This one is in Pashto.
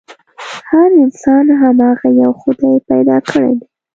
هر انسان هماغه يوه خدای پيدا کړی دی.